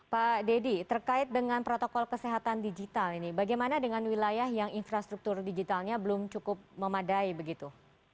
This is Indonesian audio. pak deddy terkait dengan protokol kesehatan digital ini bagaimana dengan wilayah yang infrastruktur digitalnya belum cukup memadai begitu